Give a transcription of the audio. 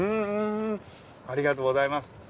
ありがとうございます。